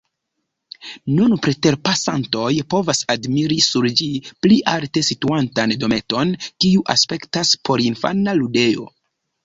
Nun preterpasantoj povas admiri sur ĝi pli alte situantan dometon, kiu aspektas porinfana ludejo.